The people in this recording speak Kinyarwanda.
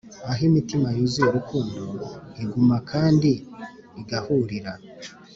aho imitima yuzuye urukundo iguma kandi igahurira;